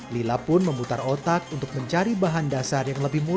lila pun memutar otak untuk mencari bahan dasar yang lebih mudah